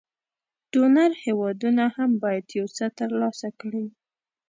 ډونر هېوادونه هم باید یو څه تر لاسه کړي.